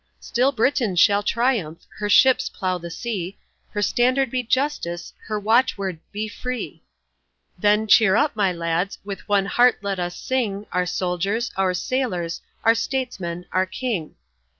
Still Britain shall triumph, her ships plough the sea, Her standard be justice, her watchword "Be free;" Then, cheer up, my lads, with one heart let us sing Our soldiers, our sailors, our statesmen, our king.